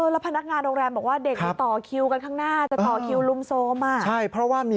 แล้วพนักงานโรงแรมบอกว่าเด็กต่อคิวกันข้างหน้า